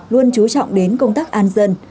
luôn chú trọng đến công tác an dân